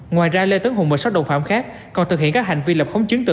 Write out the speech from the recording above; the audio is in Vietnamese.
ngoài ra lê tấn hùng và sáu đồng phạm khác còn thực hiện các hành vi lập khống chứng từ